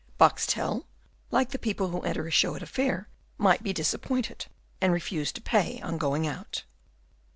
Boxtel, like the people who enter a show at a fair, might be disappointed, and refuse to pay on going out.